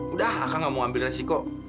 sudah saya tidak mau ambil resiko